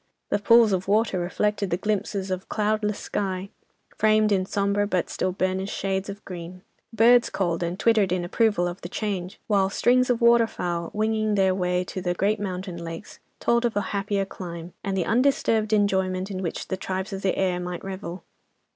The pools of water reflected the glimpses of cloudless sky, framed in sombre but still burnished shades of green. Birds called and twittered in approval of the change, while strings of water fowl, winging their way to the great mountain lakes, told of a happier clime, and the undisturbed enjoyment in which the tribes of the air might revel.